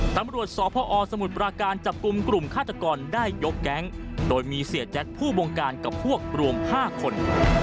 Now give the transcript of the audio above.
ตำรวจสพสมุทรปราการจับกลุ่มกลุ่มฆาตกรได้ยกแก๊งโดยมีเสียแจ็คผู้บงการกับพวกรวม๕คน